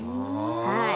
はい。